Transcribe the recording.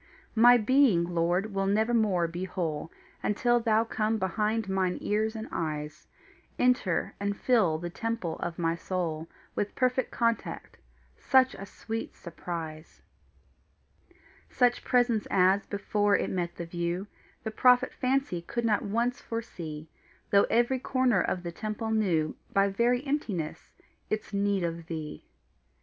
My being, Lord, will nevermore be whole Until thou come behind mine ears and eyes, Enter and fill the temple of my soul With perfect contact such a sweet surprise Such presence as, before it met the view, The prophet fancy could not once foresee, Though every corner of the temple knew By very emptiness its need of thee.